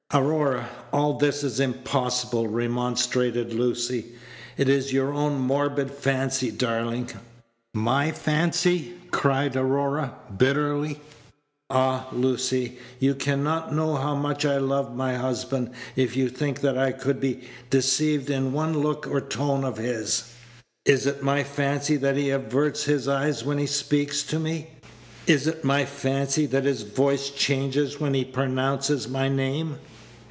"Aurora, all this is impossible," remonstrated Lucy. "It is your own morbid fancy, darling." "My fancy!" cried Aurora, bitterly. "Ah! Lucy, you can not know how much I love my husband, if you think that I could be deceived in one look or tone of his. Is it my fancy that he averts his eyes when he speaks to me? Is it my fancy that his voice changes when he pronounces my name?